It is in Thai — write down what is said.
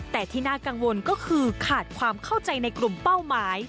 แต่ที่น่ากังวลก็คือขาดความเข้าใจในกลุ่มเป้าหมาย